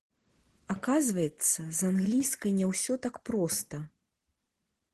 Аказваецца, з англійскай не ўсё так проста.